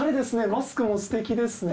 マスクもすてきですね。